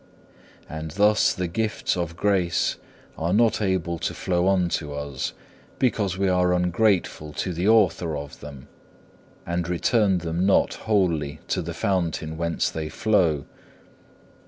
And thus the gifts of grace are not able to flow unto us, because we are ungrateful to the Author of them, and return them not wholly to the Fountain whence they flow.